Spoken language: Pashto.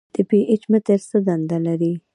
د پي ایچ متر څه دنده لري.